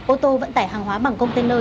ô tô vận tải hàng hóa bằng container